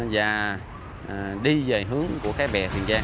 và đi về hướng của khái bè thuyền giang